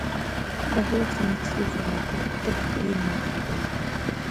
بهلول سمدستي ځواب ورکړ: ته خو ډېر ناپوهه یې.